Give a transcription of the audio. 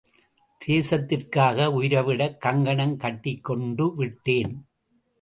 தேசத்திற்காக உயிரைவிடக் கங்கணம் கட்டிக் கொண்டு விட்டேன்.